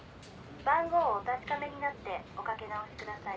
「番号をお確かめになっておかけ直しください」